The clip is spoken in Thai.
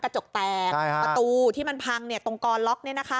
กระจกแตกประตูที่มันพังเนี่ยตรงกรล็อคเนี่ยนะคะ